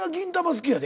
好きやで。